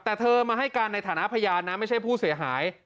แต่เธอมาให้การในฐานะพยานนะไม่ใช่ผู้เสียหาย